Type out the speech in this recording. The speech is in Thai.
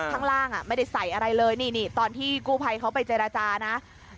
ข้างล่างไม่ได้ใส่อะไรเลยนี่ตอนที่กู้ภัยเขาไปเจรจานะ